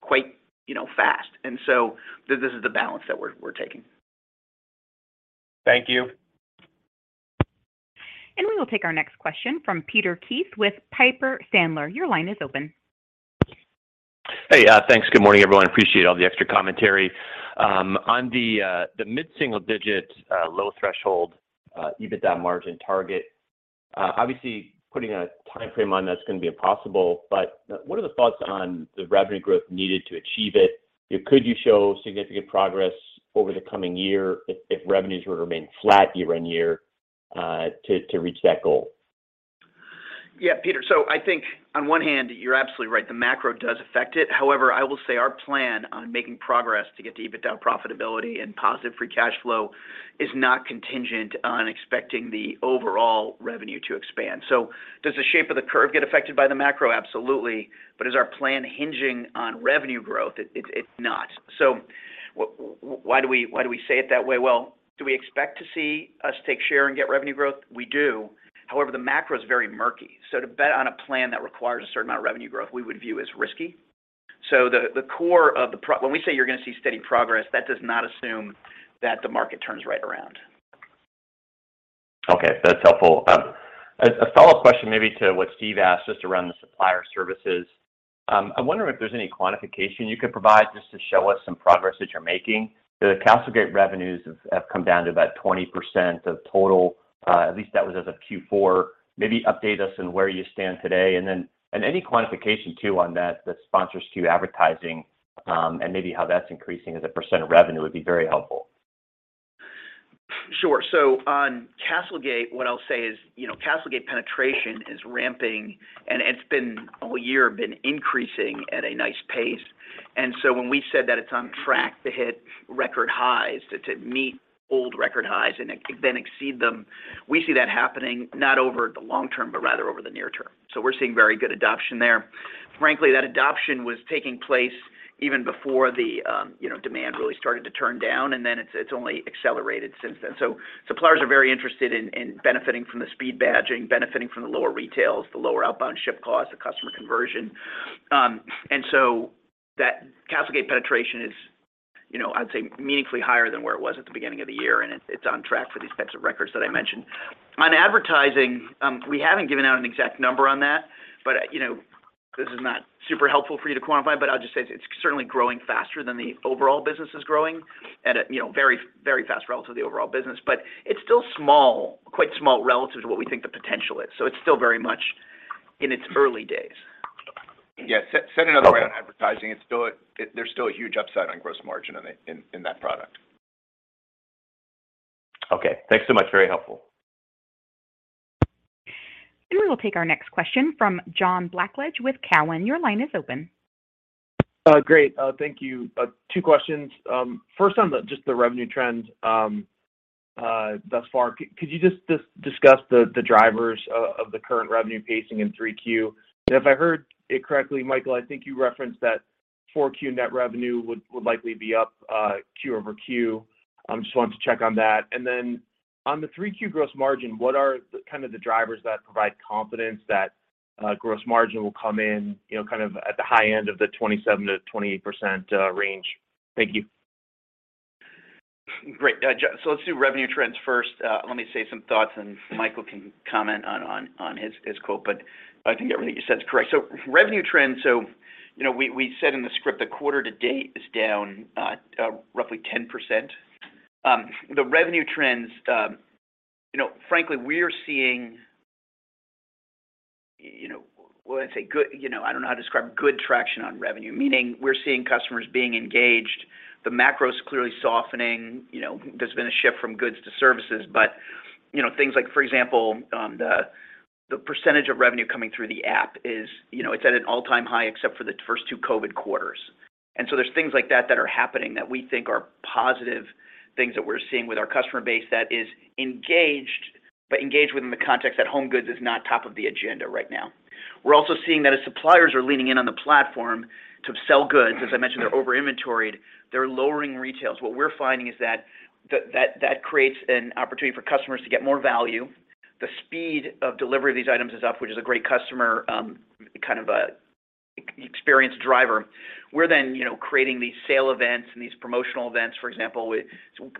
quite, you know, fast. This is the balance that we're taking. Thank you. We will take our next question from Peter Keith with Piper Sandler. Your line is open. Hey, thanks. Good morning, everyone. Appreciate all the extra commentary. On the mid-single digit low threshold EBITDA margin target, obviously putting a timeframe on that's gonna be impossible. What are the thoughts on the revenue growth needed to achieve it? Could you show significant progress over the coming year if revenues were to remain flat year-over-year to reach that goal? Yeah, Peter. I think on one hand, you're absolutely right, the macro does affect it. However, I will say our plan on making progress to get to EBITDA profitability and positive free cash flow is not contingent on expecting the overall revenue to expand. Does the shape of the curve get affected by the macro? Absolutely. Is our plan hinging on revenue growth? It, it's not. Why do we say it that way? Well, do we expect to see us take share and get revenue growth? We do. However, the macro is very murky, so to bet on a plan that requires a certain amount of revenue growth, we would view as risky. When we say you're gonna see steady progress, that does not assume that the market turns right around. Okay, that's helpful. A follow-up question maybe to what Steve asked, just around the supplier services. I wonder if there's any quantification you could provide just to show us some progress that you're making. The CastleGate revenues have come down to about 20% of total, at least that was as of Q4. Maybe update us on where you stand today, and any quantification too on that, the spend on advertising, and maybe how that's increasing as a % of revenue would be very helpful. Sure. On CastleGate, what I'll say is, you know, CastleGate penetration is ramping, and it's been all year increasing at a nice pace. When we said that it's on track to hit record highs, to meet old record highs and then exceed them, we see that happening not over the long term, but rather over the near term. We're seeing very good adoption there. Frankly, that adoption was taking place even before the, you know, demand really started to turn down, and then it's only accelerated since then. Suppliers are very interested in benefiting from the speed badging, benefiting from the lower retails, the lower outbound ship costs, the customer conversion. That CastleGate penetration is, you know, I'd say meaningfully higher than where it was at the beginning of the year, and it's on track for these types of records that I mentioned. On advertising, we haven't given out an exact number on that. You know, this is not super helpful for you to quantify, but I'll just say it's certainly growing faster than the overall business is growing at a, you know, very, very fast rate relative to the overall business. It's still small, quite small relative to what we think the potential is. It's still very much in its early days. Yeah. Said another way. Okay. on advertising. There's still a huge upside on gross margin in it, in that product. Okay. Thanks so much. Very helpful. We will take our next question from John Blackledge with Cowen. Your line is open. Great. Thank you. Two questions. First on just the revenue trends thus far. Could you just discuss the drivers of the current revenue pacing in 3Q? If I heard it correctly, Michael, I think you referenced that 4Q net revenue would likely be up quarter-over-quarter. I'm just wanting to check on that. On the 3Q gross margin, what are the kind of drivers that provide confidence that gross margin will come in, you know, kind of at the high end of the 27%-28% range? Thank you. Great. So let's do revenue trends first. Let me say some thoughts and Michael can comment on his quote. I think everything you said is correct. Revenue trends. You know, we said in the script the quarter to date is down roughly 10%. The revenue trends, you know, frankly, we're seeing good traction on revenue, meaning we're seeing customers being engaged. The macro is clearly softening. You know, there's been a shift from goods to services. You know, things like, for example, the percentage of revenue coming through the app is, you know, it's at an all-time high except for the first two COVID quarters. There's things like that that are happening that we think are positive things that we're seeing with our customer base that is engaged, but engaged within the context that home goods is not top of the agenda right now. We're also seeing that as suppliers are leaning in on the platform to sell goods, as I mentioned, they're over inventoried, they're lowering retails. What we're finding is that that creates an opportunity for customers to get more value. The speed of delivery of these items is up, which is a great customer kind of a experience driver. We're then, you know, creating these sale events and these promotional events. For example, we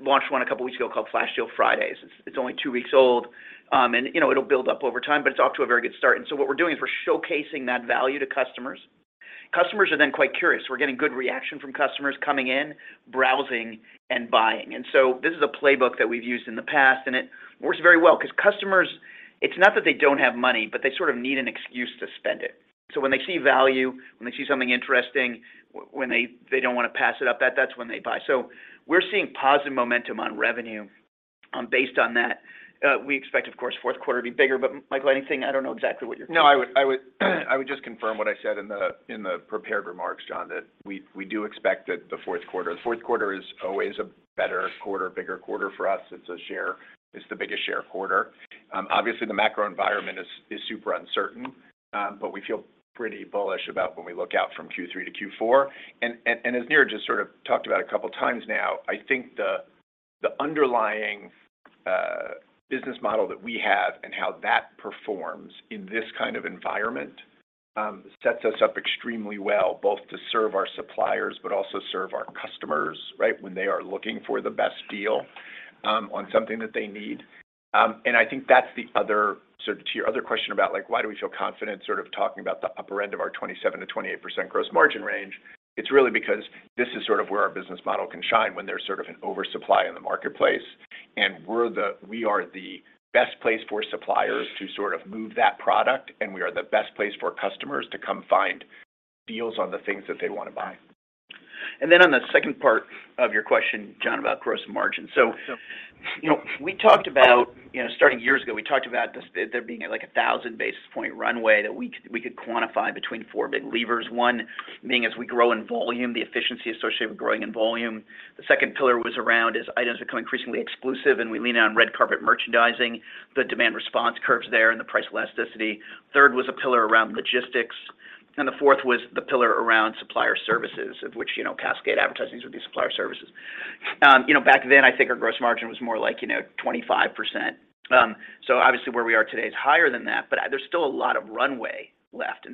launched one a couple weeks ago called Flash Deal Fridays. It's only two weeks old. You know, it'll build up over time, but it's off to a very good start. What we're doing is we're showcasing that value to customers. Customers are then quite curious. We're getting good reaction from customers coming in, browsing and buying. This is a playbook that we've used in the past, and it works very well because customers, it's not that they don't have money, but they sort of need an excuse to spend it. When they see value, when they see something interesting, they don't want to pass it up, that's when they buy. We're seeing positive momentum on revenue based on that. We expect, of course, fourth quarter to be bigger. Michael, anything? No. I would just confirm what I said in the prepared remarks, John, that we do expect that the fourth quarter. The fourth quarter is always a better quarter, bigger quarter for us. It's the biggest share quarter. Obviously, the macro environment is super uncertain. But we feel pretty bullish about when we look out from Q3 to Q4. As Niraj just sort of talked about a couple times now, I think the underlying business model that we have and how that performs in this kind of environment sets us up extremely well, both to serve our suppliers but also serve our customers, right? When they are looking for the best deal on something that they need. I think that's the other sort of to your other question about, like, why do we feel confident sort of talking about the upper end of our 27%-28% gross margin range. It's really because this is sort of where our business model can shine when there's sort of an oversupply in the marketplace. We're the best place for suppliers to sort of move that product, and we are the best place for customers to come find deals on the things that they want to buy. On the second part of your question, John, about gross margin. You know, we talked about, you know, starting years ago, we talked about this, there being, like, a 1,000 basis points runway that we could quantify between four big levers. One being as we grow in volume, the efficiency associated with growing in volume. The second pillar was around as items become increasingly exclusive and we lean on red carpet merchandising, the demand response curves there and the price elasticity. Third was a pillar around logistics, and the fourth was the pillar around supplier services, of which, you know, CastleGate Advertising would be supplier services. You know, back then, I think our gross margin was more like, you know, 25%. So obviously, where we are today is higher than that, but there's still a lot of runway left.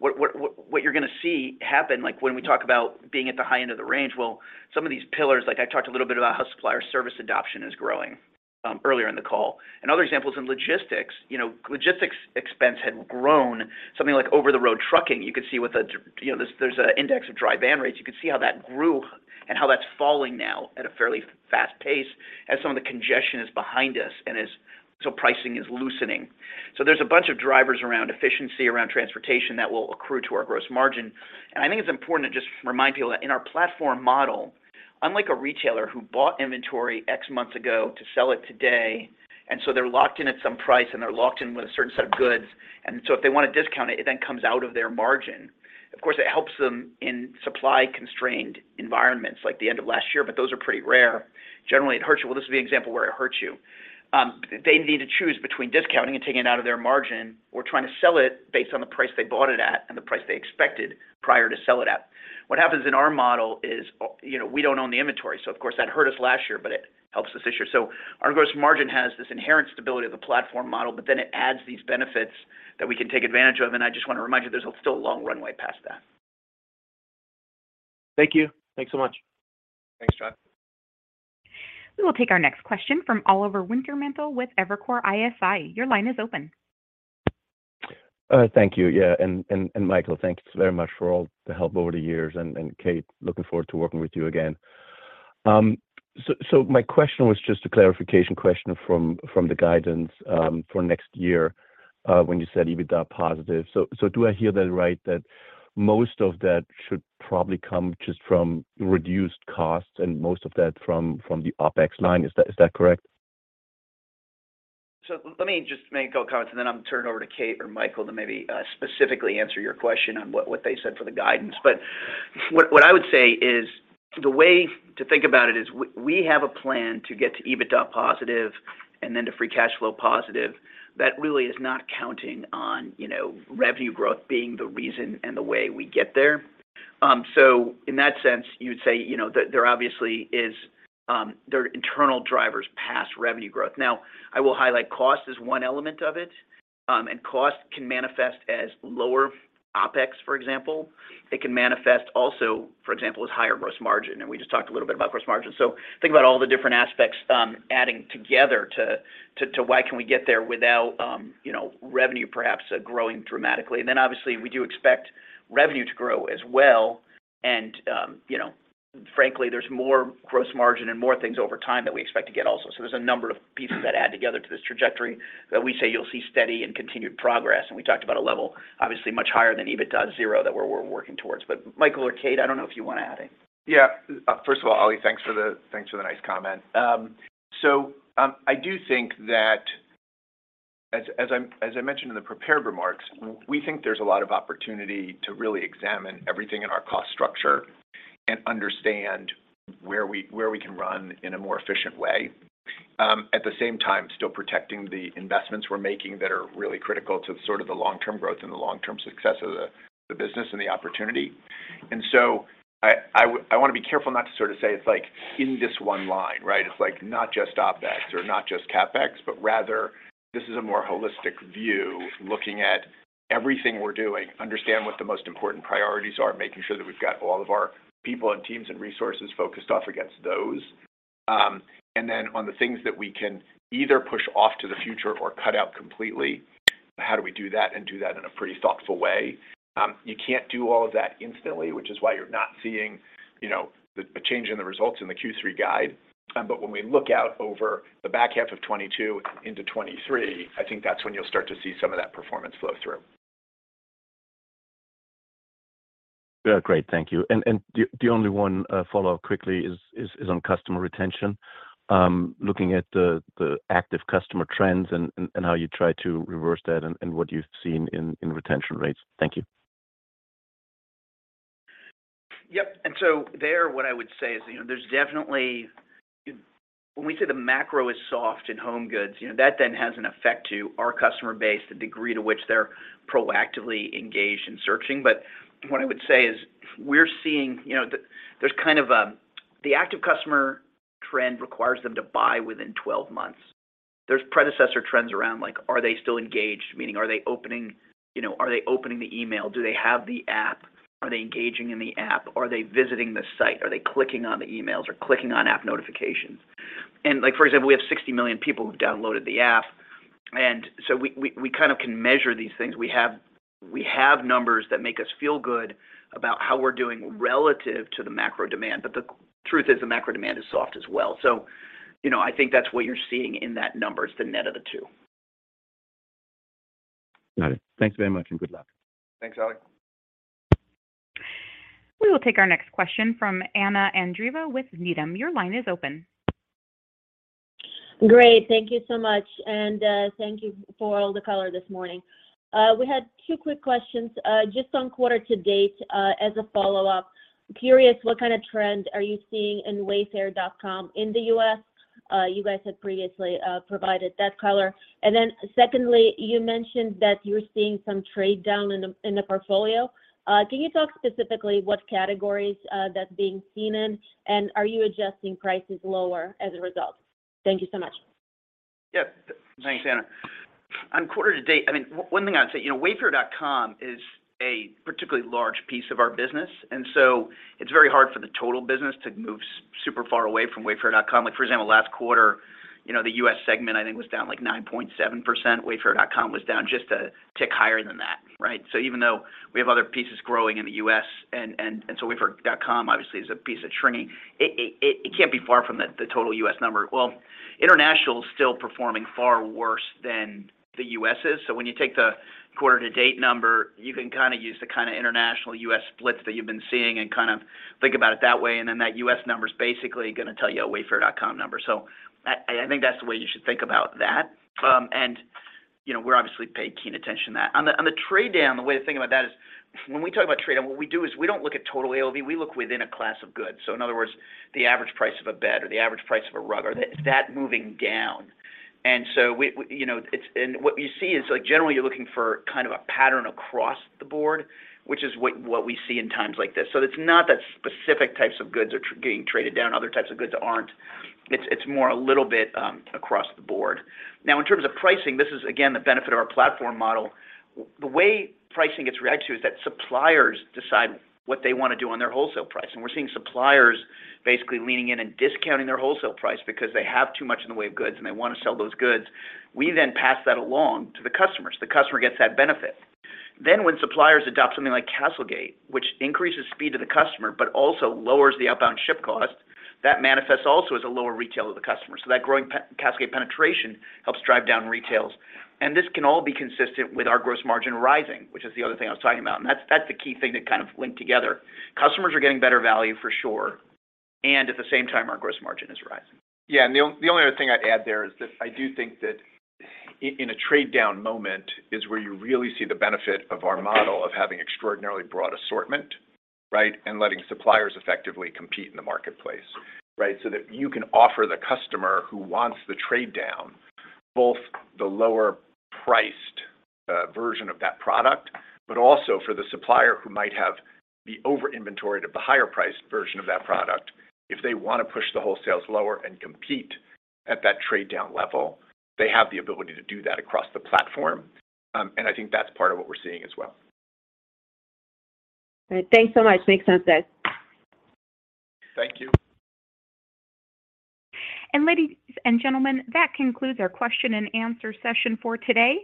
What you're gonna see happen, like, when we talk about being at the high end of the range, well, some of these pillars, like I talked a little bit about how supplier service adoption is growing, earlier in the call. Another example is in logistics. You know, logistics expense had grown. Something like over-the-road trucking, you could see with the, you know, there's an index of dry van rates. You could see how that grew and how that's falling now at a fairly fast pace as some of the congestion is behind us and is so pricing is loosening. There's a bunch of drivers around efficiency, around transportation that will accrue to our gross margin. I think it's important to just remind people that in our platform model, unlike a retailer who bought inventory X months ago to sell it today, and so they're locked in at some price, and they're locked in with a certain set of goods, and so if they want to discount it then comes out of their margin. Of course, it helps them in supply-constrained environments like the end of last year, but those are pretty rare. Generally, it hurts you. Well, this is an example where it hurts you. They need to choose between discounting and taking it out of their margin or trying to sell it based on the price they bought it at and the price they expected prior to sell it at. What happens in our model is, you know, we don't own the inventory, so of course, that hurt us last year, but it helps us this year. Our gross margin has this inherent stability of the platform model, but then it adds these benefits that we can take advantage of. I just want to remind you, there's still a long runway past that. Thank you. Thanks so much. Thanks, John. We will take our next question from Oliver Wintermantel with Evercore ISI. Your line is open. Thank you. Yeah. Michael, thanks very much for all the help over the years. Kate, looking forward to working with you again. My question was just a clarification question from the guidance for next year when you said EBITDA positive. Do I hear that right that most of that should probably come just from reduced costs and most of that from the OpEx line? Is that correct? Let me just make a couple comments, and then I'm gonna turn it over to Kate or Michael to maybe specifically answer your question on what they said for the guidance. What I would say is the way to think about it is we have a plan to get to EBITDA positive and then to free cash flow positive that really is not counting on, you know, revenue growth being the reason and the way we get there. In that sense, you would say, you know, that there are internal drivers past revenue growth. Now, I will highlight cost is one element of it, and cost can manifest as lower OpEx, for example. It can manifest also, for example, as higher gross margin, and we just talked a little bit about gross margin. Think about all the different aspects, adding together to why we can get there without, you know, revenue perhaps growing dramatically. Obviously, we do expect revenue to grow as well. You know, frankly, there's more gross margin and more things over time that we expect to get also. There's a number of pieces that add together to this trajectory that we say you'll see steady and continued progress. We talked about a level obviously much higher than EBITDA zero that we're working towards. Michael or Kate, I don't know if you want to add anything. Yeah. First of all, Oli, thanks for the nice comment. I do think that as I mentioned in the prepared remarks, we think there's a lot of opportunity to really examine everything in our cost structure and understand where we can run in a more efficient way. At the same time, still protecting the investments we're making that are really critical to sort of the long-term growth and the long-term success of the business and the opportunity. I want to be careful not to sort of say it's, like, in this one line, right? It's, like, not just OpEx or not just CapEx, but rather this is a more holistic view looking at everything we're doing, understand what the most important priorities are, making sure that we've got all of our people and teams and resources focused on those. On the things that we can either push off to the future or cut out completely, how do we do that and do that in a pretty thoughtful way? You can't do all of that instantly, which is why you're not seeing, you know, the change in the results in the Q3 guide. When we look out over the back half of 2022 into 2023, I think that's when you'll start to see some of that performance flow through. Yeah. Great. Thank you. The only one follow-up quickly is on customer retention. Looking at the active customer trends and how you try to reverse that and what you've seen in retention rates. Thank you. Yep. There, what I would say is, you know, there's definitely. When we say the macro is soft in home goods, you know, that then has an effect to our customer base, the degree to which they're proactively engage in searching. But what I would say is we're seeing, you know, there's kind of a. The active customer trend requires them to buy within 12 months. There's predecessor trends around, like, are they still engaged? Meaning are they opening, you know, are they opening the email? Do they have the app? Are they engaging in the app? Are they visiting the site? Are they clicking on the emails or clicking on app notifications? And like, for example, we have 60 million people who downloaded the app, and so we kind of can measure these things. We have numbers that make us feel good about how we're doing relative to the macro demand. The truth is, the macro demand is soft as well. You know, I think that's what you're seeing in that number, is the net of the two. Got it. Thanks very much and good luck. Thanks, Oli. We will take our next question from Anna Andreeva with Needham. Your line is open. Great. Thank you so much, and thank you for all the color this morning. We had two quick questions. Just on quarter to date, as a follow-up. Curious, what kind of trend are you seeing in Wayfair.com in the U.S.? You guys had previously provided that color. And then secondly, you mentioned that you're seeing some trade down in the portfolio. Can you talk specifically what categories that's being seen in? And are you adjusting prices lower as a result? Thank you so much. Yeah. Thanks, Anna. On quarter to date, I mean, one thing I'd say, you know, Wayfair.com is a particularly large piece of our business, and so it's very hard for the total business to move super far away from Wayfair.com. Like, for example, last quarter, you know, the U.S. segment I think was down like 9.7%. Wayfair.com was down just a tick higher than that, right? Even though we have other pieces growing in the U.S., and so Wayfair.com obviously is a piece that's shrinking, it can't be far from the total U.S. number. Well, international is still performing far worse than the U.S. is. When you take the quarter to date number, you can kind of use the kind of international U.S. splits that you've been seeing and kind of think about it that way. That U.S. number is basically gonna tell you a Wayfair.com number. I think that's the way you should think about that. You know, we're obviously paying keen attention to that. On the trade down, the way to think about that is when we talk about trade down, what we do is we don't look at total AOV, we look within a class of goods. In other words, the average price of a bed or the average price of a rug, or is that moving down. We, you know, what you see is like, generally you're looking for kind of a pattern across the board, which is what we see in times like this. It's not that specific types of goods are getting traded down, other types of goods aren't. It's more a little bit across the board. Now, in terms of pricing, this is again the benefit of our platform model. The way pricing gets reacted to is that suppliers decide what they wanna do on their wholesale price. We're seeing suppliers basically leaning in and discounting their wholesale price because they have too much in the way of goods and they wanna sell those goods. We then pass that along to the customers. The customer gets that benefit. When suppliers adopt something like CastleGate, which increases speed to the customer but also lowers the outbound ship cost, that manifests also as a lower retail to the customer. That growing CastleGate penetration helps drive down retails. This can all be consistent with our gross margin rising, which is the other thing I was talking about. That's the key thing that kind of linked together. Customers are getting better value for sure, and at the same time our gross margin is rising. The only other thing I'd add there is that I do think that in a trade down moment is where you really see the benefit of our model of having extraordinarily broad assortment, right? Letting suppliers effectively compete in the marketplace, right? That you can offer the customer who wants the trade down both the lower priced version of that product. Also for the supplier who might have the over inventory to the higher priced version of that product. If they wanna push the wholesales lower and compete at that trade down level, they have the ability to do that across the platform. I think that's part of what we're seeing as well. All right. Thanks so much. Makes sense, guys. Thank you. Ladies and gentlemen, that concludes our question and answer session for today.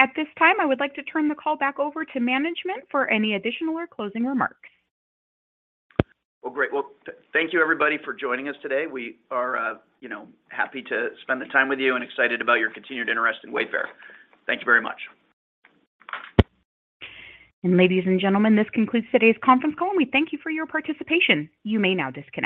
At this time, I would like to turn the call back over to management for any additional or closing remarks. Well, great. Well, thank you everybody for joining us today. We are, you know, happy to spend the time with you and excited about your continued interest in Wayfair. Thank you very much. Ladies and gentlemen, this concludes today's conference call and we thank you for your participation. You may now disconnect.